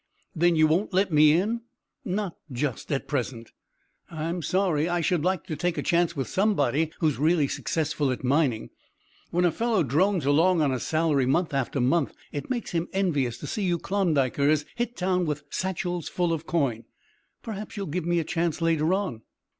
"Then you won't let me in?" "Not just at present." "I'm sorry! I should like to take a chance with somebody who is really successful at mining. When a fellow drones along on a salary month after month it makes him envious to see you Klondikers hit town with satchels full of coin. Perhaps you will give me a chance later on?"